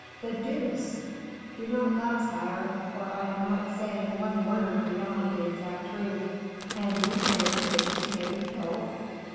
"The deuce!" "Do not laugh, sire, for I am not saying one word beyond the exact truth." "And you say he wishes to get you killed."